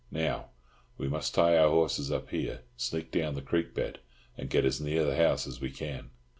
Now, we must tie our horses up here, sneak down the creek bed, and get as near the house as we can."